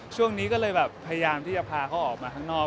ช่วงนี้ก็เลยแบบพยายามที่จะพาเขาออกมาข้างนอก